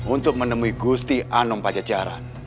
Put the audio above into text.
untuk menemui gusti anom pajajaran